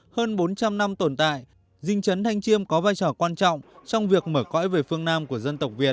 hơn bốn trăm linh năm tồn tại dinh chấn thanh chiêm có vai trò quan trọng trong việc mở cõi về phương nam của dân tộc việt